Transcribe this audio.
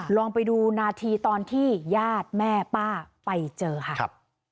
ลองไปดูนาทีตอนที่ญาติแม่ป้าไปเจอค่ะครับ